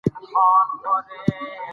د کلي ونې او غرونه ډېر ښکلي ښکاري.